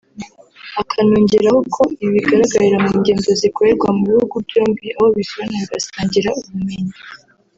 akanongeraho ko ibi bigaragarira mu ngendo zikorerwa mu bihugu byombi aho bisurana bigasangira ubumenyi